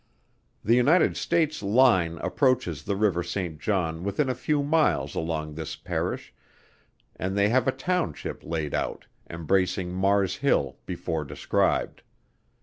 The United States line approaches the river St. John within a few miles along this Parish, and they have a township laid out, embracing Mars Hill before described.